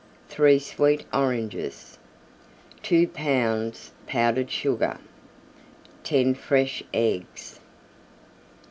3 sweet Oranges. 2 pounds Powdered Sugar. 10 fresh Eggs.